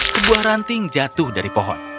sebuah ranting jatuh dari pohon